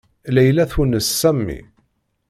Layla twennes Sami.